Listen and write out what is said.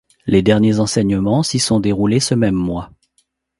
Les derniers enseignements s'y sont déroulés ce même mois.